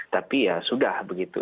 tapi ya sudah begitu